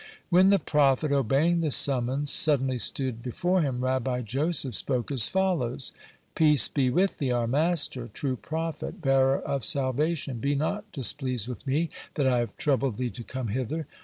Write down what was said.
When the prophet, obeying the summons, suddenly stood before him, Rabbi Joseph spoke as follows: "Peace be with thee, our master! True prophet, bearer of salvation, be not displeased with me that I have troubled thee to come hither.